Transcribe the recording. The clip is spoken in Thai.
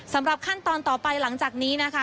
สำหรับขั้นตอนต่อไปหลังจากนี้นะคะ